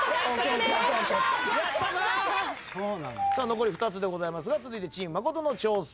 残り２つでございますが続いてチーム真琴の挑戦。